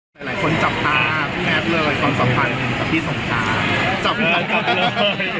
หลายหลายคนจับตาแมทเลยความสำคัญกับพี่สงสารจับจับ